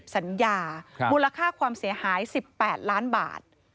สัญญามูลค่าความเสียหาย๑๘ล้านบาท